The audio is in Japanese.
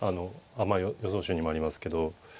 あ予想手にもありますけど。